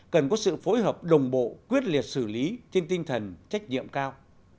cần có sự phối hợp đồng bộ quyết liệt xử lý trên tinh thần trách nhiệm cao